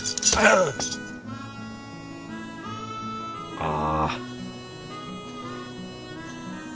ああ